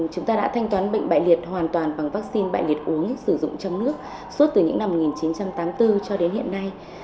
chúng ta đã thanh toán bệnh bại liệt hoàn toàn bằng vaccine bại liệt uống sử dụng trong nước suốt từ những năm một nghìn chín trăm tám mươi bốn cho đến hiện nay